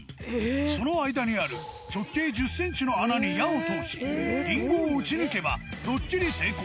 その間にある、直径１０センチの穴に矢を通し、リンゴを撃ち抜けば、ドッキリ成功。